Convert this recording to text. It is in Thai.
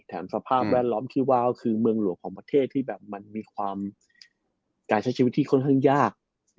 สภาพแวดล้อมที่ว่าก็คือเมืองหลวงของประเทศที่แบบมันมีความการใช้ชีวิตที่ค่อนข้างยาก